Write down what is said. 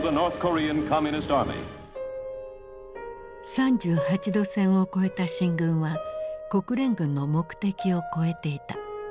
３８度線を越えた進軍は国連軍の目的を超えていた。